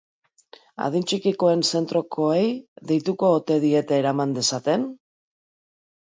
Adin txikikoen zentrokoei deituko ote diete eraman dezaten?